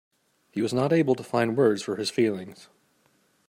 He was not able to find words for his feelings.